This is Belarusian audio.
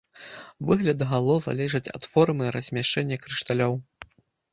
Выгляд гало залежыць ад формы і размяшчэння крышталёў.